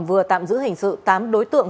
vừa tạm giữ hình sự tám đối tượng